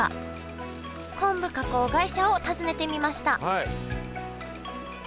昆布加工会社を訪ねてみましたはい。